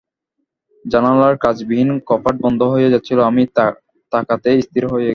জানালার কাঁচবিহীন কপাট বন্ধ হয়ে যাচ্ছিল, আমি তাকাতেই স্থির হয়ে গেল।